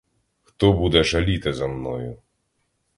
Хто буде жаліти за мною?